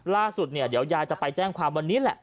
ล่าสุดเนี่ยเดี๋ยวยายจะไปแจ้งความวันนี้แหละ